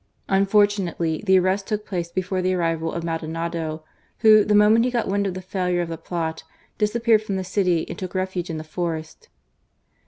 Unfortunately the arrest took place before the arrival of Maldonado, who, the moment he got wind of the failure of the plot, disappeared from the city and took refuge in the fotest.